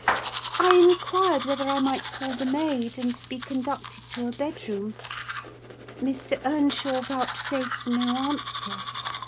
I inquired whether I might call the maid, and be conducted to a bedroom! Mr. Earnshaw vouchsafed no answer.